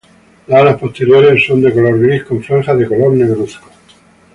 Las alas posteriores son de color gris con franjas de color negruzco.